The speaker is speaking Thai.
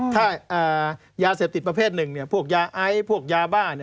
ถ้ายาเสพติดประเภทหนึ่งพวกยาไอพวกยาบ้า